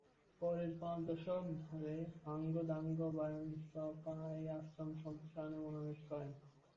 পরের পাঁচ দশক ধরে ঙ্গাগ-দ্বাং-ব্যাম্স-পা এই আশ্রম সম্প্রসারণে মনোনিবেশ করেন।